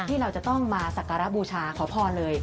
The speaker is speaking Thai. ที่เราจะต้องมาสักการะบูชาขอพรเลย